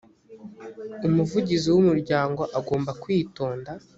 umuvugizi w’ umuryango agomba kwitonda.